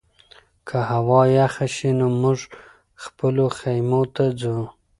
که هوا یخه شي نو موږ خپلو خیمو ته ځو.